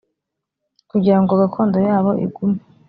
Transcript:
kugira ngo gakondo yabo igume